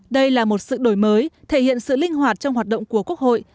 đây là một sự đổi mới thể hiện sự linh hoạt trong hoạt động của quốc hội